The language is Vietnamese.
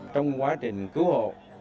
trong quá trình cứu hộ